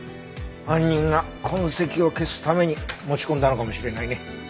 犯人が痕跡を消すために持ち込んだのかもしれないね。